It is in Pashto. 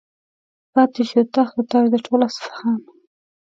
پاتې شو تخت و تاج د ټول اصفهان.